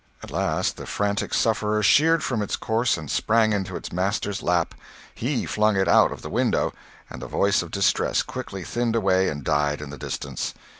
At last the frantic sufferer sheered from its course, and sprang into its master's lap; he flung it out of the window, and the voice of distress quickly thinned away and died in the distance.